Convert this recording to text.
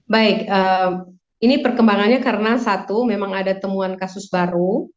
baik ini perkembangannya karena satu memang ada temuan kasus baru